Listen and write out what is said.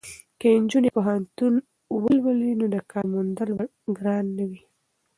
که نجونې پوهنتون ولولي نو د کار موندل به ګران نه وي.